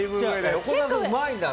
横澤さん、うまいんだね。